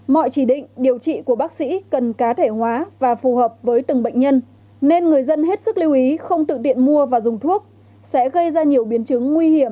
mọi chỉ định điều trị của bác sĩ cần cá thể hóa và phù hợp với từng bệnh nhân nên người dân hết sức lưu ý không tự mua và dùng thuốc sẽ gây ra nhiều biến chứng nguy hiểm